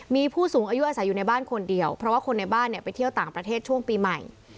มีผู้สูงอายุอาศัยอยู่ในบ้านคนเดียวเพราะว่าคนในบ้านเนี่ยไปเที่ยวต่างประเทศช่วงปีใหม่